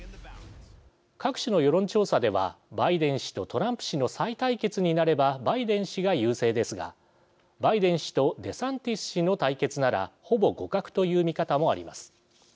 各種の世論調査ではバイデン氏とトランプ氏の再対決になればバイデン氏が優勢ですがバイデン氏とデサンティス氏の対決ならほぼ互角という見方もあります。